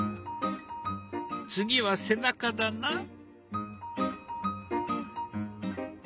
次は背中だな？